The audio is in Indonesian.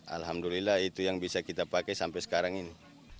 alhamdulillah itu yang bisa kita pakai sampai sekarang ini